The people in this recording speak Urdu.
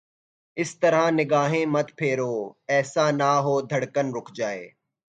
اس طرح نگاہیں مت پھیرو، ایسا نہ ہو دھڑکن رک جائے